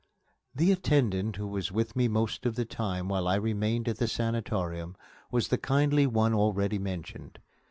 The attendant who was with me most of the time while I remained at the sanatorium was the kindly one already mentioned.